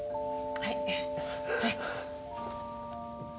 はい。